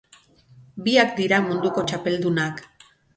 Biak dira munduko txapeldunak.